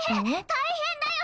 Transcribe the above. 大変だよ